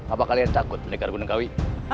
apa kalian takut pendekat gunungkawi